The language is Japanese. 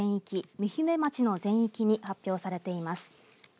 御船町の全域に発表されています。